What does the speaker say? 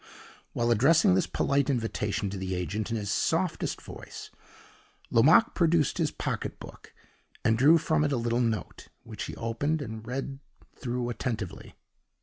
While addressing this polite invitation to the agent in his softest voice, Lomaque produced his pocketbook, and drew from it a little note, which he opened and read through attentively.